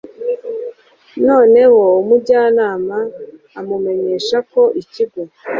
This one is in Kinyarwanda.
noneho umujyanama amumenyeshako ikigo